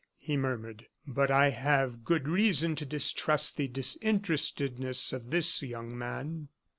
he murmured. "But I have good reason to distrust the disinterestedness of this young man."